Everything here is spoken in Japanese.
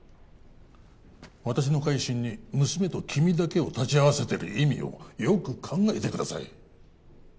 私の回診に娘と君だけを立ち会わせてる意味をよく考えてください